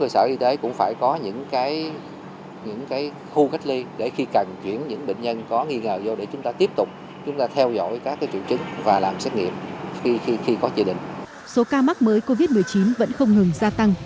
số ca mắc mới covid một mươi chín vẫn không ngừng gia tăng